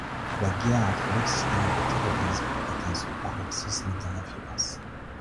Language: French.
La guerre entre l'Occident et le terrorisme atteint son paroxysme dans la violence.